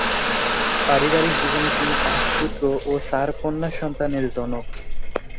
পারিবারিক জীবনে তিনি পাঁচ পুত্র ও চার কন্যা সন্তানের জনক।